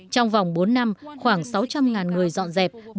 trong vòng bốn năm khoảng sáu trăm linh người dọn dẹp